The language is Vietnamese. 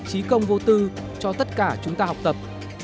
trí công vô tư cho tất cả chúng ta học tập